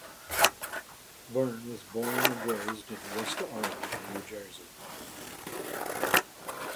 Byrne was born and raised in West Orange, New Jersey.